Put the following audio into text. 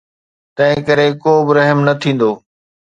تنهن ڪري ڪو به رحم نه ٿيندو.